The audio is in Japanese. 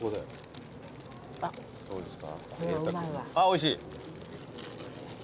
おいしい？